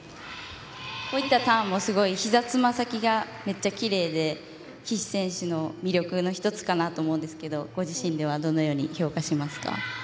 こういったターンもひざ、つま先がめっちゃきれいで岸選手の魅力の１つかなと思うんですけどご自身ではどう評価しますか。